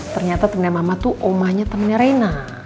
ternyata temennya mama tuh omahnya temennya reina